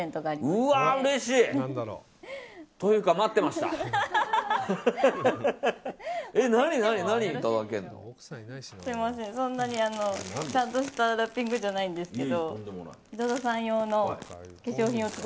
すみません、そんなにちゃんとしたラッピングじゃないんですが。